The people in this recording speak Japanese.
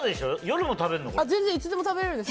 夜も食べるの？